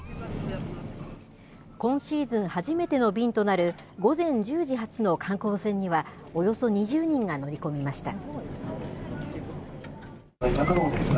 今シーズン初めての便となる午前１０時発の観光船には、およそ２０人が乗り込みました。